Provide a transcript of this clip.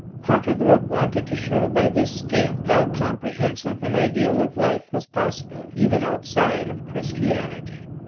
Kierkegaard wanted to show by this scale how compre hensive an ideal of life was possible even outside of Christianity.